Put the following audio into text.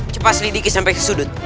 cepat selidiki sampai ke sudut